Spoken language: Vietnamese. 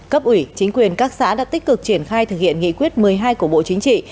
cấp ủy chính quyền các xã đã tích cực triển khai thực hiện nghị quyết một mươi hai của bộ chính trị